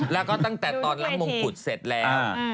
แล้วก็ตั้งแต่ตอนรับมงกุฎเสร็จแล้ว